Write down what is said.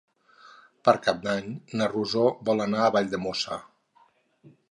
Per Cap d'Any na Rosó vol anar a Valldemossa.